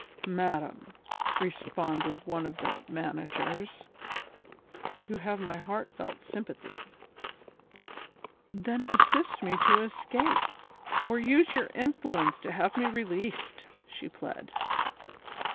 "Madam," responded one of the managers, "you have my heartfelt sympathy." "Then assist me to escape, or use your influence to have me released," she pled.